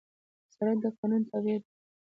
سړک د قانون تابع دی.